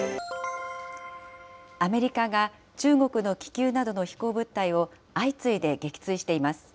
アメリカが中国の気球などの飛行物体を相次いで撃墜しています。